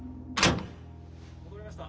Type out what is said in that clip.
戻りました！